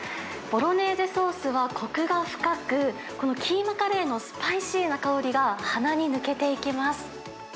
ボロネーゼソースはこくが深く、このキーマカレーのスパイシーな香りが鼻に抜けていきます。